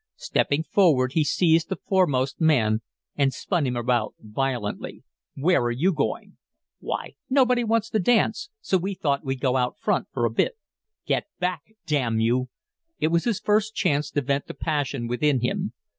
Stepping forward, he seized the foremost man and spun him about violently. "Where are you going?" "Why, nobody wants to dance, so we thought we'd go out front for a bit." "Get back, damn you!" It was his first chance to vent the passion within him.